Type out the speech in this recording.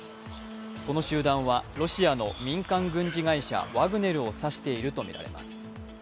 この集団はロシアの民間軍事会社ワグネルを指しているとみられます。